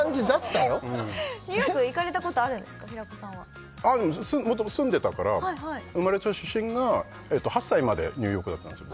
ニューヨーク行かれたことあるんですか平子さんはもともと住んでたから生まれと出身がえと８歳までニューヨークだったんですよ